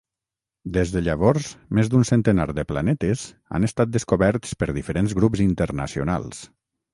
Des de llavors, més d'un centenar de planetes han estat descoberts per diferents grups internacionals.